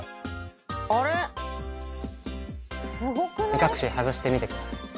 目隠し外してみてください。